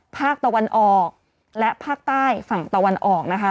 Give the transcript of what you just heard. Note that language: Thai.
ภาคตะวันออกและภาคใต้ฝั่งตะวันออกนะคะ